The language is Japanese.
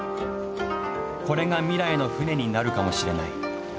これが未来の船になるかもしれない。